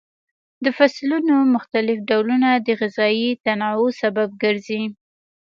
د فصلونو مختلف ډولونه د غذایي تنوع سبب ګرځي.